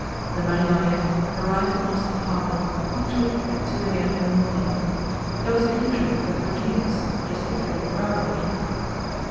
The Maria Henriette arrived in Ostend Harbour punctually at 2 a.m. in the morning. There was the usual heterogeneous, gesticulating crowd on the quay.